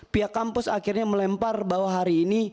pihak kampus akhirnya melempar bahwa hari ini